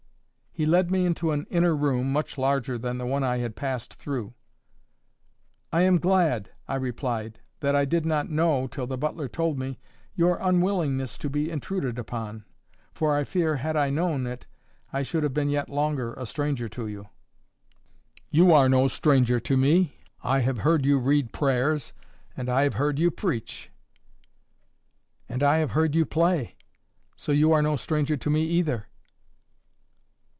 He led me into an inner room, much larger than the one I had passed through. "I am glad," I replied, "that I did not know, till the butler told me, your unwillingness to be intruded upon; for I fear, had I known it, I should have been yet longer a stranger to you." "You are no stranger to me. I have heard you read prayers, and I have heard you preach." "And I have heard you play; so you are no stranger to me either."